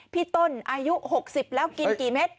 พี่ต้นอายุ๖๐แล้วกินกี่เม็ด